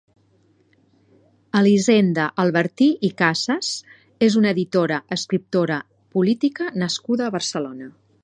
Elisenda Albertí i Casas és una editora, escriptora, política nascuda a Barcelona.